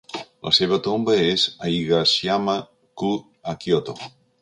La seva tomba és a Higashiyama-ku, a Kioto.